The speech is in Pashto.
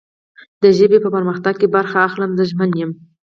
د ژبې په پرمختګ کې برخه اخلم. زه ژمن یم